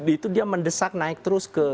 itu dia mendesak naik terus ke